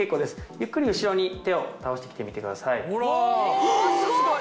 ゆっくり後ろに手を倒して来てみてください。